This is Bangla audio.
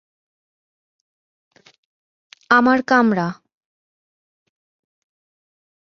আমার কামরা।